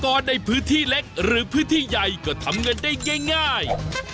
ในพื้นที่เล็กหรือพื้นที่ใหญ่ก็ทำเงินได้ง่าย